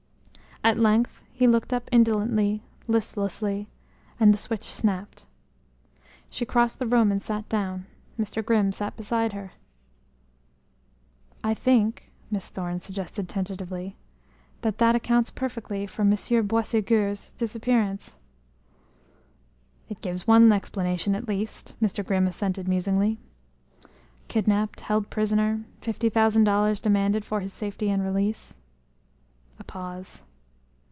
At length he looked up indolently, listlessly, and the switch snapped. She crossed the room and sat down; Mr. Grimm sat beside her. "I think," Miss Thorne suggested tentatively, "that that accounts perfectly for Monsieur Boisségur's disappearance." "It gives one explanation, at least," Mr. Grimm assented musingly. "Kidnapped held prisoner fifty thousand dollars demanded for his safety and release." A pause.